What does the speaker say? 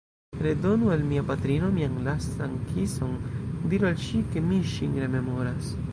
Redonu al mia patrino mian lastan kison, diru al ŝi, ke mi ŝin rememoras!